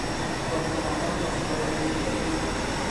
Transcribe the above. بدرنګه اعمال له خدایه لیرې کوي